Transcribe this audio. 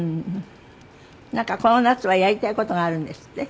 なんかこの夏はやりたい事があるんですって？